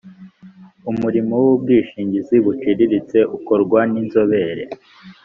umurimo w’ ubwishingizi buciriritse ukorwa n’inzobere